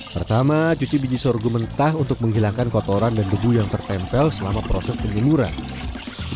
pertama cuci biji sorghum mentah untuk menghilangkan kotoran dan debu yang tertempel selama proses penyeluruhan